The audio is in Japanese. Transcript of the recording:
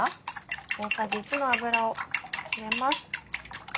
大さじ１の油を入れます。